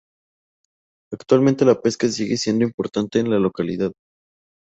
Actualmente la pesca sigue siendo importante en la localidad.